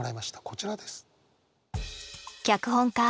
こちらです。